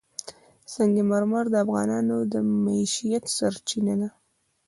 سنگ مرمر د افغانانو د معیشت سرچینه ده.